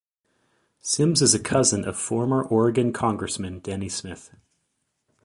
Symms is a cousin of former Oregon congressman Denny Smith.